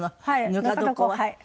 ぬか床はい。